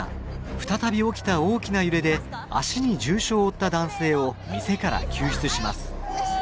再び起きた大きな揺れで足に重傷を負った男性を店から救出します。